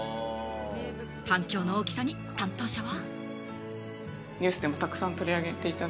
反響の大きさに担当者は。